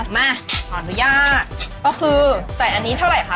มาขออนุญาตก็คือใส่อันนี้เท่าไหร่คะ